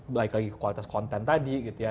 balik lagi ke kualitas konten tadi gitu ya